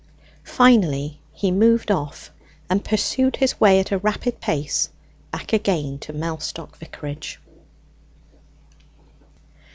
Finally he moved off, and pursued his way at a rapid pace back again to Mellstock Vicarage.